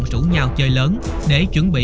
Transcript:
rủ nhau chơi lớn để chuẩn bị